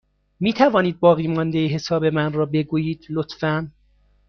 می توانید باقیمانده حساب من را بگویید، لطفا؟